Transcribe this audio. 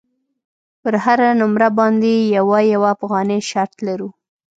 پر هره نمره باندې یوه یوه افغانۍ شرط لرو.